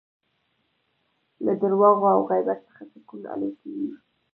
له درواغو او غیبت څخه سکون الوتی وي